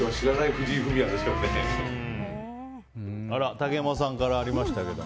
竹山さんからありましたけども。